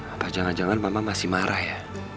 apa jangan jangan mama masih marah ya